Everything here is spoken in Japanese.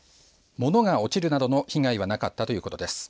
物が落ちるなどの被害はなかったということです。